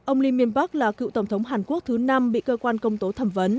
ông lee myung pak là cựu tổng thống hàn quốc thứ năm bị cơ quan công tố thẩm vấn